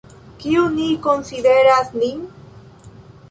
Kiu ni konsideras nin?